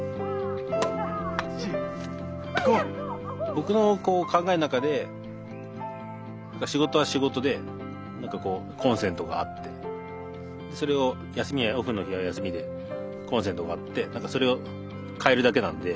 僕の考えの中で仕事は仕事で何かこうコンセントがあってそれを休みやオフの日は休みでコンセントがあってそれを替えるだけなんで。